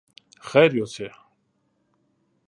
خير يوسې!